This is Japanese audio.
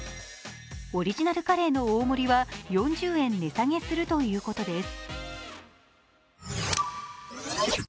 オリジナルカレーの大盛りは４０円値下げするということです。